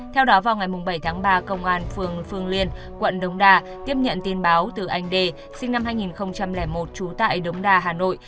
theo đó vào ngày bảy tháng ba công an phường phương liên quận đống đa tiếp nhận tin báo từ anh đê sinh năm hai nghìn một trú tại đống đa hà nội